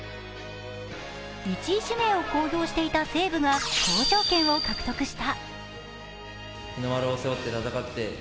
１位指名を公表していた西武が交渉権を獲得した！